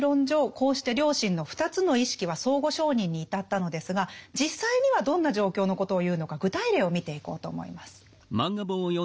こうして良心の２つの意識は相互承認に至ったのですが実際にはどんな状況のことを言うのか具体例を見ていこうと思います。